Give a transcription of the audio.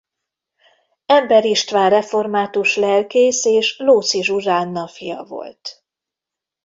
Ember István református lelkész és Lóczy Zsuzsánna fia volt.